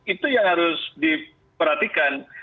itu yang harus diperhatikan